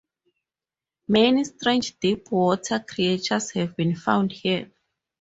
Many strange deep-water creatures have been found here.